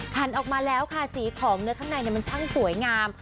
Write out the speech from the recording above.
หันออกมาแล้วค่ะสีของเนื้อข้างในมันช่างสวยงาม